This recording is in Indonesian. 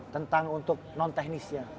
tentang untuk non teknisnya